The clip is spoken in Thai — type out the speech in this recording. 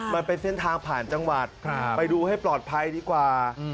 มันเป็นเส้นทางผ่านจังหวัดไปดูให้ปลอดภัยดีกว่า